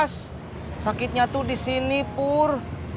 sakitnya tuh disini pur